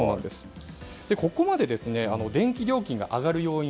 ここまで電気料金が上がる要因